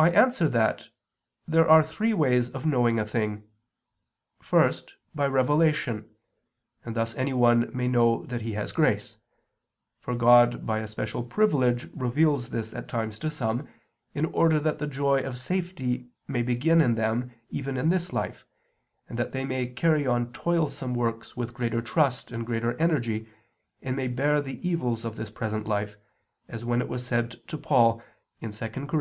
I answer that, There are three ways of knowing a thing: first, by revelation, and thus anyone may know that he has grace, for God by a special privilege reveals this at times to some, in order that the joy of safety may begin in them even in this life, and that they may carry on toilsome works with greater trust and greater energy, and may bear the evils of this present life, as when it was said to Paul (2 Cor.